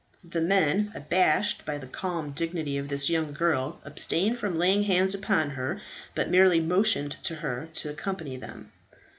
The men, abashed by the calm dignity of this young girl, abstained from laying hands upon her, but merely motioned to her to accompany them.